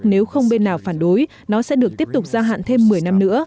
nếu không bên nào phản đối nó sẽ được tiếp tục gia hạn thêm một mươi năm nữa